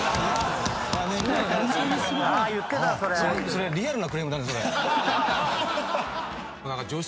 「それリアルなクレームだね」